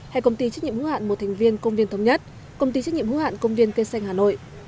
hay công ty trách nhiệm hữu hạn một thành viên công viên thống nhất công ty trách nhiệm hữu hạn công viên cây xanh hà nội